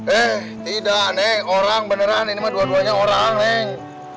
eh tidak nih orang beneran ini mah dua duanya orang angleng